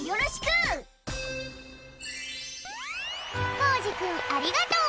コージくんありがとう！